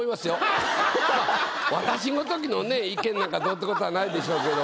私ごときのね意見なんかどうってことはないでしょうけど。